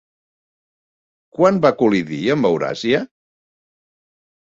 Quan va col·lidir amb Euràsia?